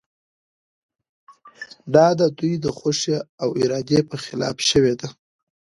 دا د دوی د خوښې او ارادې په خلاف شوې ده.